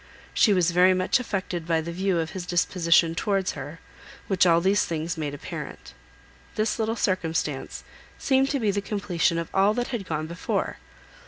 She was very much affected by the view of his disposition towards her, which all these things made apparent. This little circumstance seemed the completion of all that had gone before.